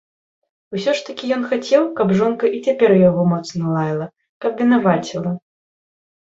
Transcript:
Усё ж такі ён хацеў, каб жонка і цяпер яго моцна лаяла, каб вінаваціла.